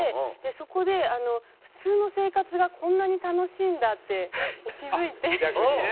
そこで、普通の生活がこんなに楽しいんだって気づいて。